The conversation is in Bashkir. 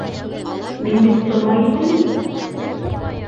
Мин бит тома етем.